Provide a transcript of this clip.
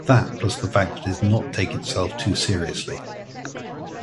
That plus the fact that it does not take itself too seriously.